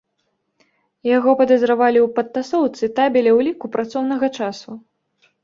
Яго падазравалі ў падтасоўцы табеля ўліку працоўнага часу.